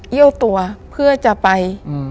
ี่ยวตัวเพื่อจะไป